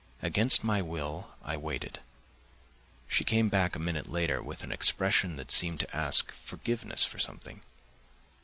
Against my will I waited: she came back a minute later with an expression that seemed to ask forgiveness for something.